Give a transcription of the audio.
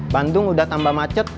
bandung udah tambah macet